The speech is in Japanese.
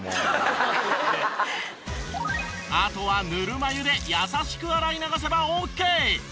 あとはぬるま湯で優しく洗い流せばオーケー！